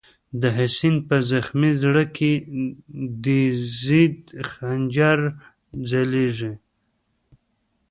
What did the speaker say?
دحسین” په زخمی زړه کی، دیزید خنجر ځلیږی”